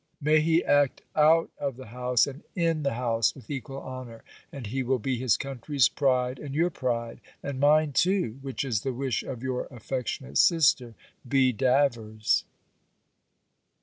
May he act out of the house, and in the house with equal honour; and he will be his country's pride, and your pride, and mine too! which is the wish of your affectionate sister, B. DAVERS.